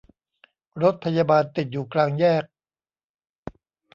รถพยาบาลติดอยู่กลางแยก